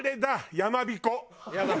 やまびこ。